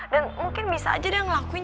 dan mungkin bisa aja dia ngelakuin